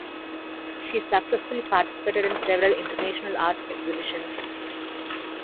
She successfully participated in several international art exhibitions.